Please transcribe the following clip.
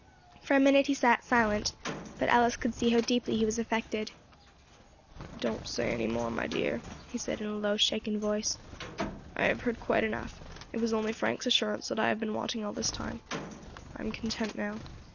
For a minute he sat silent, but Alice could see how deeply he was affected. "Don't say any more, my dear," he said, in a low, shaken voice. "I have heard quite enough; it was only Frank's assurance that I have been wanting all this time. I am content now.